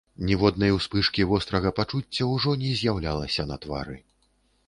Ніводнай успышкі вострага пачуцця ўжо не з'яўлялася на твары.